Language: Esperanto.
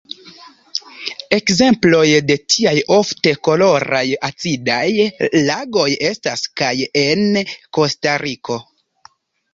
Ekzemploj de tiaj ofte koloraj acidaj lagoj estas kaj en Kostariko.